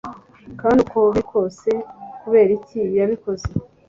kandi uko biri kwose, kubera iki yabikoze